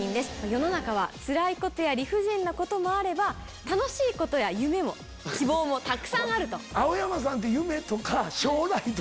世の中はつらいことや理不尽なこともあれば楽しいことや夢も希望もたくさんあると。